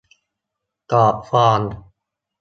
กรอกฟอร์ม